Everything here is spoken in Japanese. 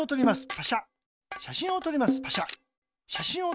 パシャ。